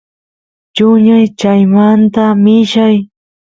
chuñay chaymanta millay